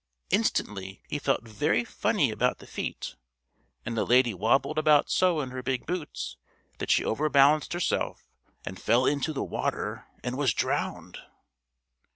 Instantly he felt very funny about the feet, and the lady wobbled about so in her big boots that she overbalanced herself and fell into the water and was drowned.